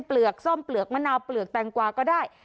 เปลือกส้มเปลือกมะนาวเปลือกแตงกวาก็ได้